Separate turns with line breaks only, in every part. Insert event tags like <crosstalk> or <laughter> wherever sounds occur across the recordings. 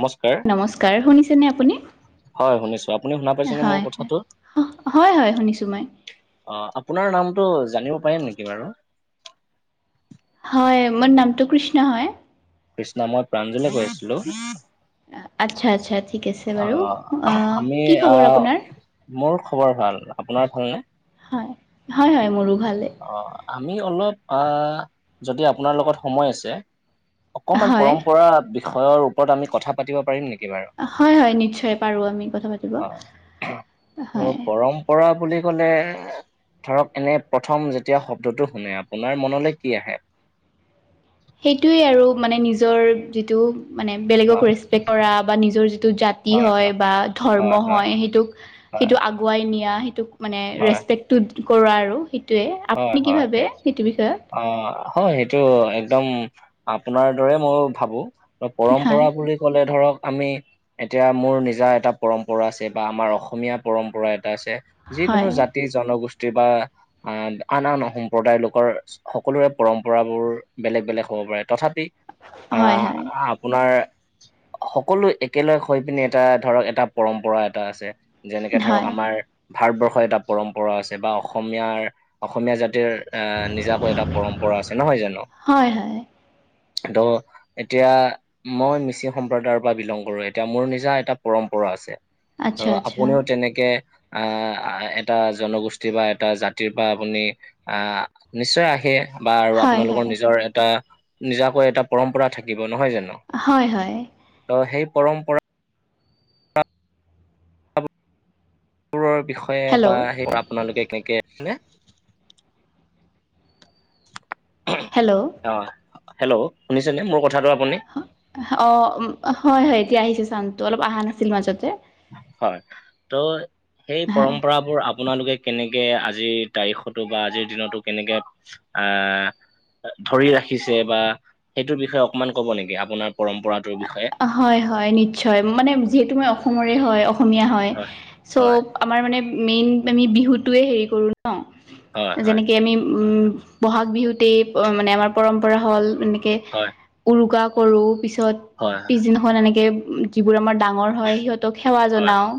নমস্কাৰ
নমস্কাৰ, শুনিছেনে আপুনি
হয় শুনিছোঁ আপুনি শুনা পাইছেনে মোৰ
হয়
কথাটো
হয় হয় শুনিছো মই।
অ আপোনাৰ নামটো জানিব পাৰিম নেকি বাৰু
হয়, মোৰ নামটো কৃষ্ণা হয়।
কৃষ্ণা মই প্ৰাঞ্জলে কৈ আছিলো।
আচ্ছা আচ্ছা, ঠিক আছে।
অ,
বাৰু আহ,
আমি
কি
অ
খবৰ আপোনাৰ
মোৰ খবৰ ভাল। আপোনাৰ ভালনে?
হয়, হয় হয় মোৰো ভালেই।
অ আমি অলপ, আ যদি আপোনাৰ লগত সময় আছে অকণমান
হয়
পৰম্পৰা বিষয়ৰ ওপৰত আমি কথা পাতিব পাৰিম নেকি বাৰু?
হয় হয়, নিশ্চয় পাৰো আমি কথা পা
অ আৰু পৰম্পৰা বুলি ক'লে ধৰক, এনে প্ৰথম যেতিয়া শব্দটো শুনে, আপোনাৰ মনলৈ কি আহে?
সেইটোৱেই আৰু মানে নিজৰ যিটো মানে বেলেগক
হয়
ৰেচপেক্ট কৰা বা নিজৰ যিটো জাতি হয় বা ধৰ্ম হয় সেইটোক
হয়
সেইটো আগুৱাই নিয়া সেইটোক মানে
হয় হয়
ৰেচপেক্টো কৰো আৰু সেইটোৱে
হয়
আপুনি কি
হয়
ভাবে সেইটো বিষয়ে
অ হয় সেইটো একদম আপোনাৰ দৰে মই ভাবো
হয়,
পৰম্পৰা বুলি ক'লে ধৰক আমি এতিয়া মোৰ নিজা এটা পৰম্পৰা আছে বা আমাৰ অসমীয়া পৰম্পৰা এটা আছে। যিকোনো
হয়,
জাতি, জনগোষ্ঠীৰ বা অহ, আন আন সম্প্ৰদায়ৰ লোকৰ সকলোৰে পৰম্পৰাবোৰ বেলেগ বেলেগ হ'ব পাৰে, তথাপি আ
হয়, হয়,
আপোনাৰ সকলো একেলগ হৈ পিনি এটা ধৰক এটা পৰম্পৰা এটা আছে, যেনেকে ধৰক
হয়,
আমাৰ ভাৰতবৰ্ষৰ এটা পৰম্পৰা আছে বা অসমীয়াৰ অসমীয়া জাতিৰ আ নিজাকৈ এটা পৰম্পৰা আছে নহয় জানো?
হয়, হয়,
ত' এতিয়া মই মিচিং সম্প্ৰদায়ৰ পৰা বিলং কৰো, এতিয়া মোৰ নিজা এটা পৰম্পৰা আছে। ত'
আচ্ছা, আচ্ছা,
আপুনিও তেনেকে আহ এটা জনগোষ্ঠী বা এটা জা তিৰ পৰা আপুনি আহ নিশ্চয় আহে বা আৰু
হয়,
আপোনালোকৰ
হয়,
নিজৰ এটা নিজাকৈ এটা পৰম্পৰা থাকিব। নহয় জানো?
হয় হয়।
ত' সেই পৰম্পৰা বোৰৰ বিষয়ে বা
হেল্ল',
সেইবোৰ আপোনালোকে কেনেকে
হেল্ল
অঁ, হেল্ল শুনিছেনে মোৰ কথাটো আপুনি?
অঁ, হয় এতিয়া আহিছে চাউণ্ডটো অলপ অহা নাছিল মাজতে।
হয়, ত সেই
হয়।
পৰম্পৰাবোৰ আপোনালোকে কেনেকে আজিৰ তাৰিখতো বা আজিৰ দিনতো কেনেকে আঁ ধৰি ৰাখিছে বা সেইটোৰ বিষয়ে অকমান ক'ব নেকি, আপোনাৰ পৰম্পৰাটোৰ বিষয়ে?
হয় হয়, নিশ্চয় মানে যিহেতু মই অসমৰেই হয়, অসমীয়া হয়, চৌ আমাৰ মানে মেইন আমি বিহুটোয়েই হেৰি কৰো ন,
হয় হয়
যেনেকে আমি উম বহাগ বিহুতেই মানে আমাৰ পৰম্পৰা হ'ল এনেকে
হয়।
উৰুকা কৰো, পিছত
হয়
পিছদিনাখন এনেকে যিবোৰ আমাৰ ডাঙৰ হয় সিহঁত তক সেৱা
হয়
জনাও,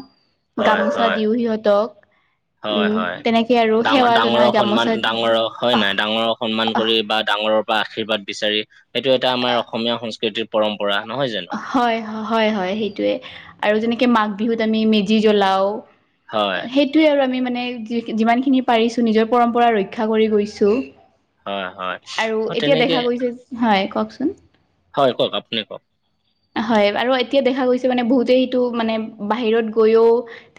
হয়
গামোচা
হয়
দিও সিহঁতক।
হয়
উম
হয়,
তেনেকে আৰু
ডাঙৰ
সেৱা জনাই
ডাঙৰক সন্মান
গামোচা
ডাঙৰক হয় নে
আহ
নাই, ডাঙৰক সন্মান
আহ
কৰি বা ডাঙৰৰ পৰা আশীৰ্বাদ বিচাৰি সেইটো এটা আমাৰ অসমীয়া সংস্কৃতিৰ পৰম্পৰা, নহয় জানো?
হয় হয় হয় সেইটোয়ে, আৰু যেনেকে মাঘ বিহুত আমি মেজি জ্বলাও।
হয়
সেইটোৱেই আৰু আমি মানে যিমান খিনি পাৰিছো, নিজৰ পৰম্পৰা ৰক্ষা কৰি গৈছো।
হয়, হয়।
আৰু
অ'
এতিয়া
তেনেকে
দেখা গৈছে, হয় কওকচোন?
হয় কওক, আপুনি কওক।
হয় আৰু এতিয়া দেখা গৈছে মানে বহুতেই সেইটো মানে বাহিৰত গৈও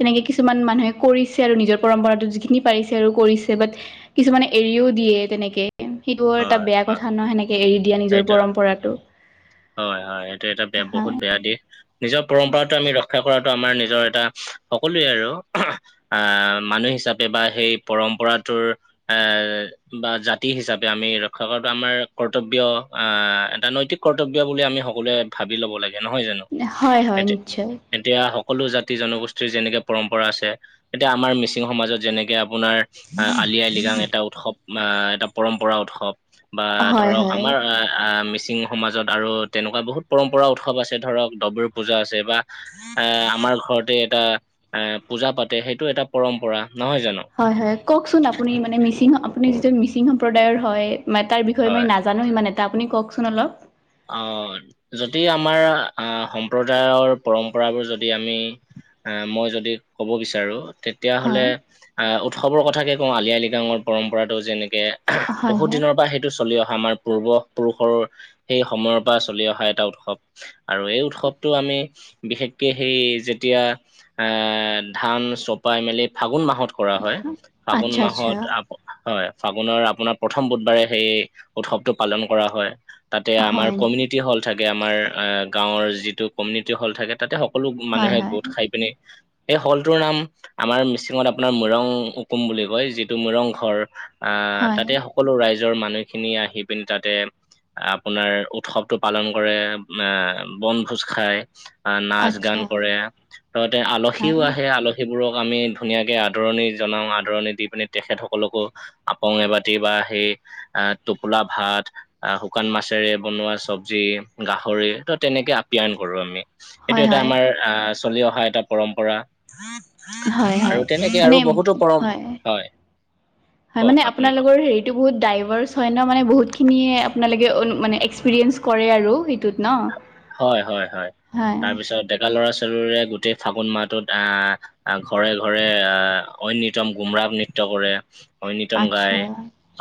তেনেকে কিছুমান মানুহে কৰিছে আৰু নিজৰ পৰম্পৰাতো যিখিনি পাৰিছে আৰু কৰিছে, বাত কিছুমানে এৰিও দিয়ে তেনেকে, সেইটো এটা
হয়,
বেয়া
হয়।
কথা ন সেনেকে এৰি দিয়া নিজৰ
সেইটো
পৰম্পৰাটো।
হয় হয়, সেইটো এটা বেয়া বহুত
হয়
বেয়া দিশ। নিজৰ পৰম্পৰাটো আমি ৰক্ষা কৰাটো আমাৰ নিজৰ এটা সকলোৱে আৰু আহ মানুহ হিচাপে বা সেই পৰম্পৰাটোৰ এ বা জাতি হিচাপে আমি ৰক্ষা কৰাটো আমাৰ কৰ্তব্য, আঁহ এটা নৈতিক কৰ তব্য বুলি আমি সকলোৱে ভাবি ল'ব লাগে নহয় জানো।
হয় হয় নিশ্চয়।
এতিয়া সকলো জাতি জনগোষ্ঠীৰ যেনেকে পৰম্পৰা আছে, এতিয়া আমাৰ মিচিং সমাজত যেনেকে আপোনাৰ আঁ, আলি আই লৃগাং এটা উৎসৱ, আঁহ এটা পৰম্পৰা উৎসৱ। বা
হয়
ধৰক
হয়
আমাৰ আঁ মিচিং সমাজত আৰু তেনেকুৱা বহুত পৰম্পৰা উৎসৱ আছে, ধৰক ডবৰু পূজা আছে, বা এ আমাৰ ঘৰতে এটা আহ পূজা পাতে সেইটো এটা পৰম্পৰা নহয় জানো?
হয় হয়, কওকচোন আপুনি মানে মিচিং আপুনি যিটো মিচিং সম্প্ৰদায়ৰ হয়। ‌ মানে তাৰ বিষয়ে
হয়
মাই নাজ জানো সিমান এটা আপুনি কওকচোন অলপ
আঁহ, যদি আমাৰ আঁহ সম্প্ৰদায়ৰ পৰম্পৰাবোৰ যদি আমি অঁ মই যদি ক'ব বিচাৰো। তেতিয়া হ'লে,
হয়
অঁ উৎসৱৰ কথাকে কওঁ আলি আই লৃগাং পৰম্পৰাটো যেনেকে
হয়
বহুত
হয়
দিনৰ পৰা সেইটো চলি অহা আমাৰ পূৰ্ব পুৰুষৰ সেই সময়ৰ পৰা চলি অহা এটা উৎসৱ। আৰু এই উৎসৱটো আমি বিশেষকে সেই যেতিয়া এ ধান চপাই মেলি ফাগুন মাহত কৰা হয়, ফাগুন
আচ্ছা আচ্ছা
মাহত আপ হয়, ফাগুনৰ আপোনাৰ প্ৰথম বুধবাৰে সেই উৎসৱটো পালন কৰা হয়। তাতে আমাৰ
হয়
কমিউনিটি হল থাকে, আমাৰ গাঁৱৰ যিটো কমিউনিটি হল থাকে তাতে সকলো
হয়
মানুহে
হয়
গোট খাই পিনে। এই হলটোৰ নাম আমাৰ মিচিঙত আপোনাৰ মুৰং উকুম বুলি কয়। যিটো মুৰং ঘৰ। আহ
হয়
তাতে সকলো ৰাইজৰ মানুহখিনি আহি- পিনি তাতে আপোনাৰ উৎসৱটো পালন কৰে, আহ বনভোজ খায়। আহ নাচ
আচ্ছা
গান কৰে, ততে আলহীও
হয়
আহে আল সেইবোৰক আমি ধুনীয়াকৈ আদৰণি জনাওঁ, আদৰণি দি পিনি তেখেতসকলকো আপং এবাতি বা সেই আহ টোপোলা ভাত আহ শুকান মাছেৰে বনোৱা চব্জি, গাহৰি ত তেনেকে আপ্যায়ন কৰো আমি। এইটো
হয়
এটা
হয়
আমাৰ আহ চলি অহা এটা পৰম্পৰা।
হয়
আৰু
হয়
তেনেকে আৰু
মানে
বহুতো পৰম হয়।
হয়
কওক
মানে
আপুনি কওক
আপোনালোকৰ হেই সেই টো বহুত ডাইভৰচ হয় ন মানে বহুতখিনিয়ে আপোনালোকে মানে এক্সপিৰিয়েঞ্চ কৰে আৰু সেইটোত ন।
হয় হয় হয় তাৰপিছত ডেকা ল'ৰা -ছোৱালীৰে গোটেই ফাগুন মাহটোত আহ আহ ঘৰে ঘৰে আহ ঐনিতম গুমৰাপ নৃত্যয় কৰে। ঐনিতম গাই
আচ্ছা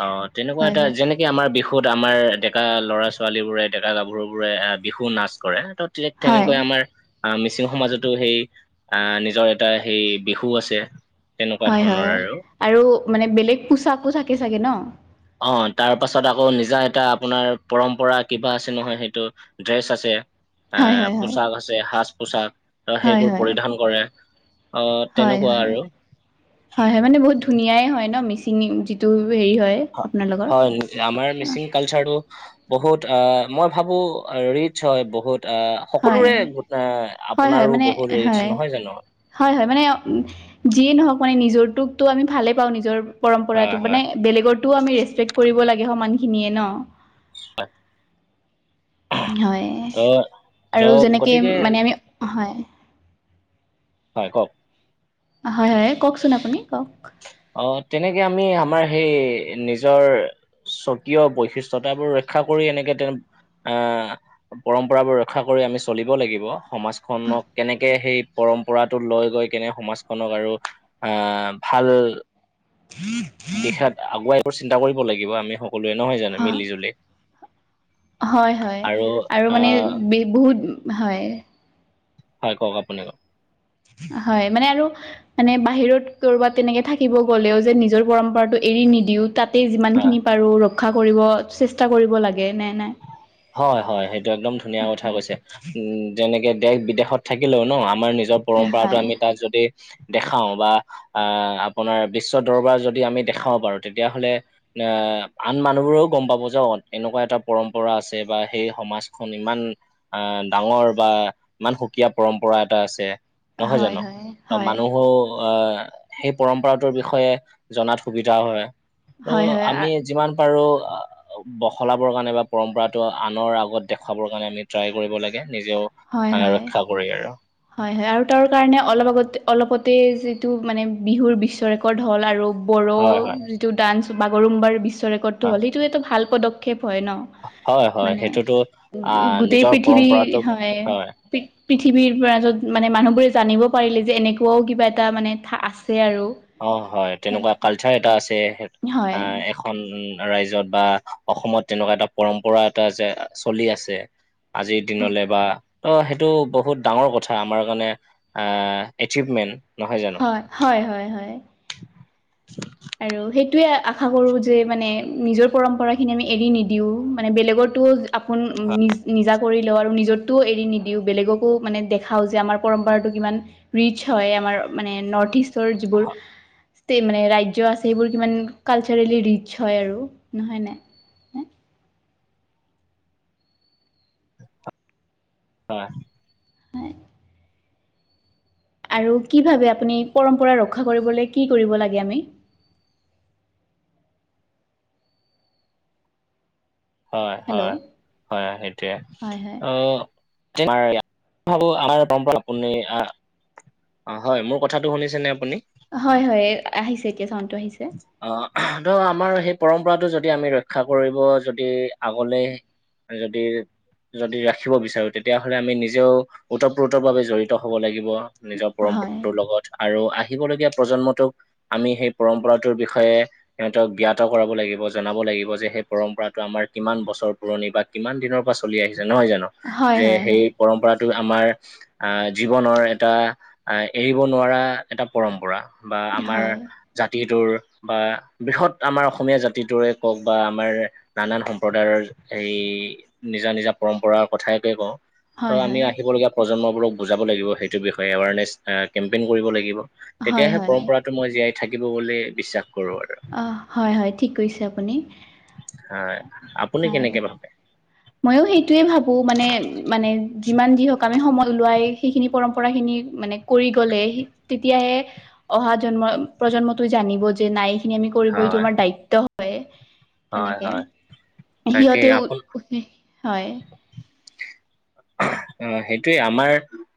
অ তেনেকুৱা
হয়
এটা
হয়
যেনে কি আমাৰ বিহুত আমাৰ ডেকা ল'ৰা ছোৱালীবোৰে ডেকা গাভৰুবোৰে বিহু নাচ কৰে ত
হয়
তেনেকৈ আমাৰ। আহ মিচিং সমাজতো সেই আহ নিজৰ এটা সেই বিহু আছে। তেনেকুৱা
হয়
ধৰণৰ
হয়
আৰু
আৰু মানে বেলেগ পোচাকো থাকে চাগে ন।
অ তাৰ পাছত আকৌ নিজা এটা আপোনাৰ পৰম্পৰা কিবা আছে নহয় সেইটো। ড্ৰেছ আছে। এ
হয় হয় হয়
পোচাক আছে সাজ পোচাক ত
হয়
সেইবোৰ
হয়
পৰিধান কৰে। আহ
হয়
তেনেকুৱা
হয়
আৰু
হয় হয় মানে বহুত ধুনীয়াই হয় ন, মিচিং যিটো হেৰি হয়।
হয়
আপোনালোকৰ
হয় আমাৰ মিচিং। কালচাৰ টো বহুত মই ভাবো ৰিতচ্ হয় বহুত অহ
হয়
সকলোৰে এ
হয় হয়
আপোনাৰো
মানে
বহুত ৰিটচ্
হয়
নহয় জানো
হয় হয় মানে যিয়ে নহওক মানে নিজৰটোক টো আমি ভালে পাওঁ নিজৰ পৰম্পৰাটো
হয় হয়।
মানে বেলেগতটোও, আমি ৰেচপেক্ট কৰিব লাগে সমান খিনিয়ে ন।
হয়।
হয়
ত
আৰু যেনেকৈ
গতিকে
মানে আমি হয়।
হয় কওক।
হয় হয় কওকচোন আপুনি কওক।
অ তেনেকে আমি আমাৰ সেই নিজৰ। স্বকীয় বৈশিষ্টয়তাবোৰ ৰক্ষা কৰি এনেকে তেওঁ আহ পৰম্পৰাবোৰ ৰক্ষা কৰি আমি চলিব লাগিব, সমাজখনক কেনেকে সেই পৰম্পৰাতটো লৈ গৈ কেনে সমাজখনক আৰু আহ ভাল।
হ <inaudible>
দিশাত আগুৱাই এইবোৰ চিন্তা কৰিব লাগিব আমি সকলোৱে নহয় জানো
হ-
মিলি জুলি
হয় হয় আৰু মানে
আহ
বহুত হয়।
হয় কওক আপুনি কওক?
হয় মানে আৰু মানে বাহিৰত কৰবাত তেনেকে থাকিব গ'লেও যে নিজৰ পৰম্পৰাটো এৰি নিদিও তাত তাতে যিমান
হা
খিনি পাৰো ৰক্ষা কৰিব চেষ্টা কৰিব লাগে, নে নাই?
হয় হয় সেইটো একদম ধুনীয়া কথা কৈছে। উম যেনেকে দেশ বিদেশত থাকিলেও ন আমাৰ নিজৰ পৰম্পৰাটো
হয়
আমি তাত যদি দেখাও বা আহ আপোনাৰ বিশ্ব দৰবাৰ যদি আমি দেখাব পাৰো তেতিয়াহ'লে তিয়া আন মানুহবোৰেও গম পাব যে অ এনেকুৱা এটা পৰম্পৰা আছে বা সেই সমাজখন ইমান আহ ডাঙৰ বা ইমান সুকীয়া পৰম্পৰা এটা আছে। নহয়
হয়
জানো
হয় হয়
মানুহো আহ সেই পৰম্পৰাটোৰ বিষয়ে জনাত সুবিধা হয় ত
হয় হয় আ
আমি যিমান বাৰু আ বখলাবৰ কাৰণে বা পৰম্পৰাটো আনৰ আগত দেখুৱাবৰ কাৰণে আমি ট্ৰাই কৰিব লাগে নিজেও
হয়
আহ
হয়
ৰক্ষা কৰি আৰু
হয় হয় আৰু তাৰ কাৰণে অলপ আগতে অলপতে যিটো মানে বিহুৰ বিশ্ব ৰেকৰ্ড হ'ল আৰু বড়ো
হয় হয়
যিটো ডান্স বাগৰুম্বাৰ বিশ্ব ৰেকৰ্ডটো হ'ল সেইটো এইটো ভাল পদক্ষেপ হয় ন
হয় হয় হয়
মানে
সেইটোতো
উ
আহ
গোটেই
নিজৰ
পৃথিৱী
পৰম্পৰাটোক
হয় পৃ পৃথিৱীৰ মাজত মানে মানুহ বোৰে জানিব পাৰিলে যে এনেকুৱাও কিবা এটা মানে থা আছে আৰু
অ হয় তেনেকুৱা কালচাৰ এটা আছে সেটো আ
হয়
এ- খন ৰাজ্যত বা অসমত তেনেকুৱা এটা পৰম্পৰা এটা যে চলি আছে আজিৰ দিনলে বা অ সেইটো বহুত ডাঙৰ কথা আমাৰ কাৰণে আহ এচিউভমেণ্ট নহয় জানো
হয় হয় হয় হয় আৰু সেইটোৱে আশা কৰোঁ যে মানে নিজৰ পৰম্পৰাখিনি আমি এৰি নিদিওঁ মানে বেলেগৰতো আপোন নিজ নিজাক কৰি লওঁ আৰু নিজৰতোও এৰি নিদিওঁ বেলেগকো মানে দেখাওঁ যে আমাৰ পৰম্পৰাটো কিমান ৰিচ হয় আমাৰ মানে নৰ্থ ইষ্টৰ যিবোৰ টি মানে ৰাই- জ্য আছে সেইবোৰ কিমান কালচাৰেলি ৰিচ হয় আৰু হয় নাই
অ হয়
হয় আৰু কি ভাবে আপুনি পৰম্পৰা ৰক্ষা কৰিবলে কি কৰিব লাগে আমি
হয় হয়
হেল্ল'
হয় সেইটোৱে
হয় হয়
অহ তোমাৰো ইয়া ভাবো আৰ পৰম্পৰা আপুনি আ অ হয় মোৰ কথাটো শুনিছেনে আপুনি?
হয় হয় এ আহিছে এতিয়া চাউণ্ডটো আহিছে
অ ধৰ আমাৰ সেই পৰম্পৰাটো যদি আমি ৰক্ষা কৰিব যদি আগলে এ যদি যদি ৰাখিব বিচাৰো তেতিয়াহ'লে আমি নিজেও ওতঃপ্ৰোত ভাবে জড়িত হ'ব লাগিব। নিজৰ
হয়
পৰম্পৰাটোৰ লগত আৰু আহিবলগীয়া প্ৰজন্মটোক আমি সেই পৰম্পৰাটোৰ বিষয়ে সিহঁতক গ্যাত কৰাব লাগিব জনাব লাগিব যে সেই পৰম্পৰাটো আমাৰ কিমান বছৰ পুৰণি বা কিমান দিনৰ পৰা চলি আহিছে নহয় জানো।
হয়
যে
হয়
সেই
হয়
পৰম্পৰাটো আমাৰ আহ জীৱনৰ এটা আ এৰিব নোৱাৰা এটা পৰম্পৰা বা আমাৰ
হয়
জাতিটোৰ বা বৃহৎ আমাৰ অসমীয়া জাতিটোৰে কওক বা আমাৰ নানান সম্প্ৰদায়ৰ হেয়ি নিজা নিজা পৰম্পৰা কথাকে কওঁ ত
হয়
আমি
হয়
আহিবলীয়া প্ৰজন্মবোৰক বুজাব লাগিব সেইটোৰ বিষয়ে এৱাৰনেছ কেম্পেইন কৰিব লাগিব।
হয়
তেতিয়াহে
হয়
পৰম্পৰাটো মই জীয়াই থাকিব বুলি বিশ্বাস কৰো আৰু।
অহ হয় হয় ঠিক কৰিছে আপুনি।
হয় আপুনি কেনেকে ভাবে।
ময়ও সেইটোৱে ভাবো মানে মানে যিমান যি হওক আমি সময় ওলোৱাই সেইখিনি পৰম্পৰা খিনি মানে, কৰি গ'লে তেতিয়াহে অহা জন্ম প্ৰজন্মটোৱে জানিব যে নাই। খিনি আমি কৰিব এইটো
হয়
আমাৰ দায়িত্ব হয়
হয়
তেনেকে
হয় তাকে
সিহঁতেও,
আপোন
হয়।
অ সেইটোৱে আমাৰ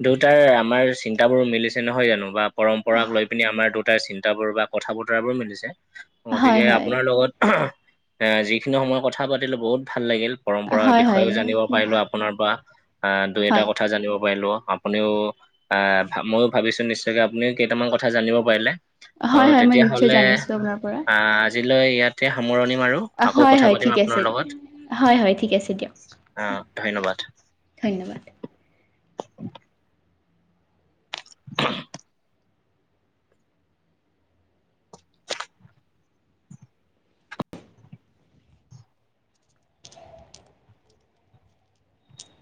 দুউটাৰ আমাৰ চিন্তাবোৰো মিলিছে নহয় জানো বা, পৰম্পৰাক লৈ পিনি আমাৰ দেউটাই চিন্তাবোৰ বা কথা বতৰাবোৰ মিলিছে
হয় হয়
গতিকে আপোনাৰ লগত। এ যিখিনি সময়ত কথা পাতিলো বহুত ভাল লাগিল পৰম্পৰাৰ
হয় হয়
বিষয়েও জানিব পাৰিলো, আপোনাৰ পৰা দুই এটা
হয়
কথা জানিব পাৰিলো। আপুনিও আহ ময়ো ভাবিছো নিশ্চয়কে আপুনিও কেইটামান কথা জানিব পাৰিলে। অ
হয় হয় মই নিশ্চয়
তেতিয়াহলে
জানিছো আপোনাৰ পৰা
আহ আজিলৈ ইয়াতে সামৰণিম মাৰো। আকৌ
হয়
কথা
হয়
পাতিম
ঠিক
আপোনাৰ
আছে
লগত।
হয় হয় ঠিক আছে দিয়ক।
অ ধন্যবাদ।
ধন্যবাদ।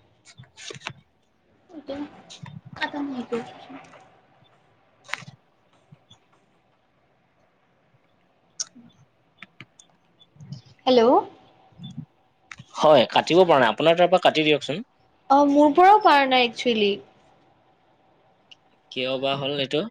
<unintelligible>
<unintelligible>
<inaudible>
হেল্ল',
হয় কাটিব পৰা নাই আপোনাৰ তাৰ পৰা কাটি দিয়কচোন।
অ মোৰ পৰাও পাৰা নাই একচুৱেলি।
কিয় বা হ'ল এতো।